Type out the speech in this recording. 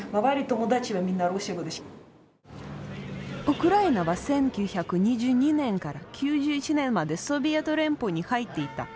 ウクライナは１９２２年から９１年までソビエト連邦に入っていた。